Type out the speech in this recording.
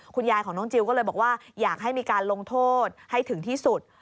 คุณยายของน้องจิลก็เลยบอกว่าอยากให้มีการลงโทษให้ถึงที่สุด